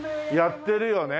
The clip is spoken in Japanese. やってるよね。